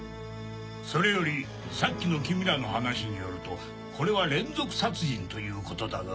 それよりさっきの君らの話によるとこれは連続殺人ということだが？